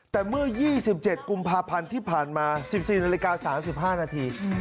แต่เมื่อยี่สิบเจ็ดกุมภาพันธ์ที่ผ่านมาสิบสี่นาฬิกาสามสิบห้านาที